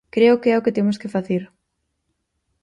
Creo que é o que temos que facer.